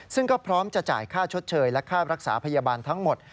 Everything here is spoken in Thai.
ซึ่งก็พร้อมจะจ่ายค่าชดเชยและค่ารักษาพยาบาลทั้งหมด